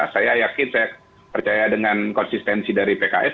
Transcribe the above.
saya yakin saya percaya dengan konsistensi dari pks